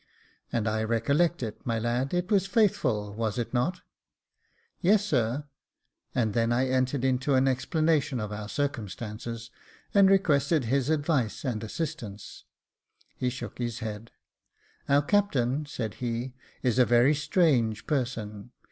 *' And I recollect it, my lad j it was Faithful, was it not ?"*' Yes, sir," and I then entered into an explanation of our circumstances, and requested his advice and assistance. He shook his head. " Our captain," said he, " is a very strange person.